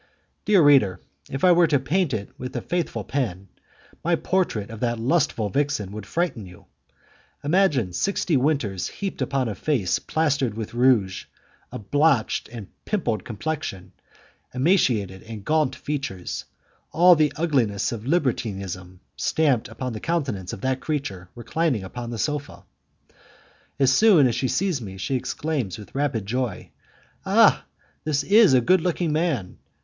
Dear reader, if I were to paint it with a faithful pen, my portrait of that lustful vixen would frighten you. Imagine sixty winters heaped upon a face plastered with rouge, a blotched and pimpled complexion, emaciated and gaunt features, all the ugliness of libertinism stamped upon the countenance of that creature relining upon the sofa. As soon as she sees me, she exclaims with rapid joy, "Ah! this is a good looking man!